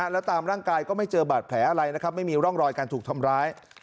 แล้วตามร่างกายก็ไม่เจอบาดแผลอะไรนะครับไม่มีร่องรอยการถูกทำร้าย